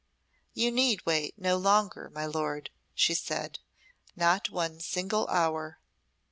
"You need wait no longer, my lord," she said "not one single hour."